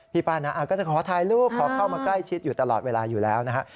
ป้านะก็จะขอถ่ายรูปขอเข้ามาใกล้ชิดอยู่ตลอดเวลาอยู่แล้วนะฮะ